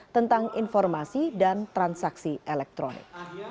tentang informasi dan transaksi elektronik